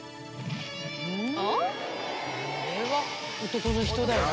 これは男の人だよね。